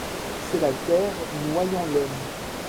C'est la terre noyant l'homme.